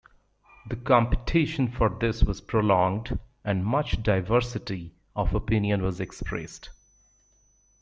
The competition for this was prolonged, and much diversity of opinion was expressed.